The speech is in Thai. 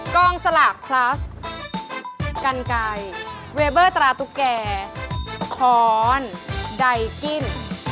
กองสลากพลัสกันไก่เวเบอร์ตราตุ๊กแก่ค้อนไดกิ้น